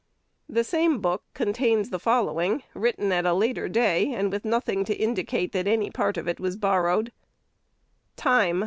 The same book contains the following, written at a later day, and with nothing to indicate that any part of it was borrowed: "Time!